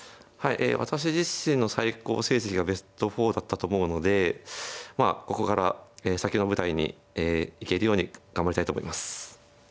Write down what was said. ええ私自身の最高成績がベスト４だったと思うのでまあここから先の舞台に行けるように頑張りたいと思います。